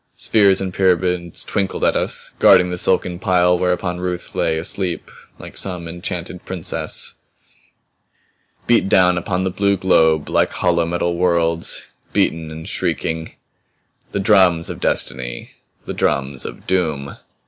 Spheres and pyramids twinkled at us, guarding the silken pile whereon Ruth lay asleep like some enchanted princess. Beat down upon the blue globe like hollow metal worlds, beaten and shrieking. The drums of Destiny! The drums of Doom!